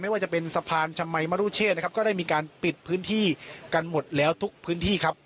ว่าจะเป็นสะพานชมัยมรุเชษนะครับก็ได้มีการปิดพื้นที่กันหมดแล้วทุกพื้นที่ครับ